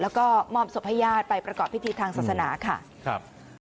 แล้วก็มอบศพให้ญาติไปประกอบพิธีทางศาสนาค่ะครับ